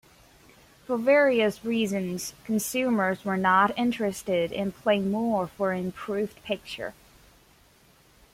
For various reasons, consumers were not interested in paying more for an improved picture.